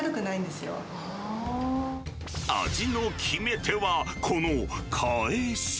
味の決め手はこのかえし。